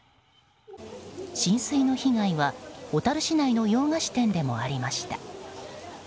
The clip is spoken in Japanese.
浸水の被害は、小樽市内の洋菓子店でもありました。